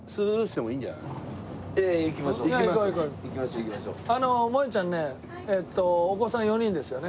もえちゃんねお子さん４人ですよね。